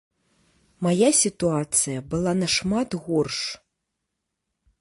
Мая сітуацыя была нашмат горш.